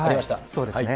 そうですね。